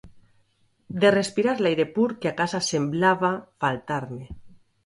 De respirar l'aire pur que a casa semblava faltar-me.